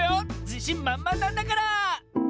じしんまんまんなんだから！